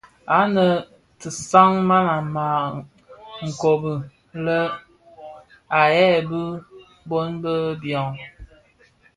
Ànë a disag man a màa rôb bi lë à lëê bi bôn bë biàg.